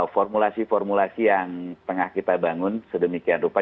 formulasi formulasi yang tengah kita bangun sedemikian rupa